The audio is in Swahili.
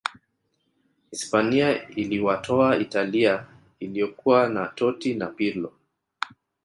hispania iliwatoa italia iliyokuwa na totti na pirlo